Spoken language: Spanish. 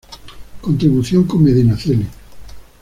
Contribución con Medinaceli.